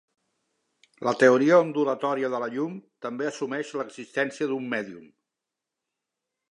La teoria ondulatòria de la llum també assumeix l'existència d'un mèdium.